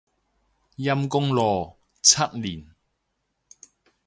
陰功咯，七年